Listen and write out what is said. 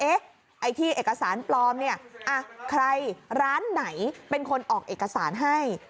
ไอ้ที่เอกสารปลอมเนี่ยใครร้านไหนเป็นคนออกเอกสารให้